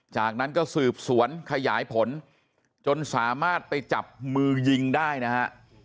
จากนั้นก็สืบสวนขยายผลจนสามารถไปจับมือยิงได้นะฮะ